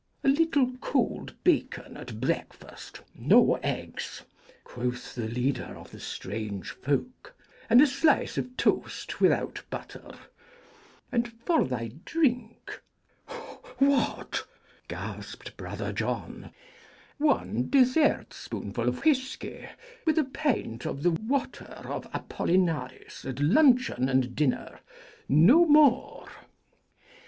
'A little cold bacon at breakfast no eggs,' quoth the leader of the strange folk, 'and a slice of toast without butter.' 'And for thy drink' ('What?' gasped Brother John) 'one dessert spoonful of whisky, with a pint of the water of Apollinaris at luncheon and dinner. No more!'